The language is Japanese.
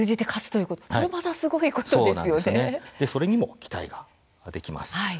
それにも期待ができます。